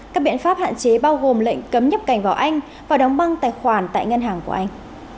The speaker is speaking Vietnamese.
các biện pháp hạn chế bao gồm lệnh cấm nhập cảnh vào anh và đóng băng tài khoản tại ngân hàng của anh